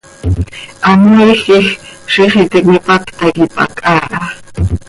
Hamoiij quij, ziix iti cöipacta quih pac haa ha.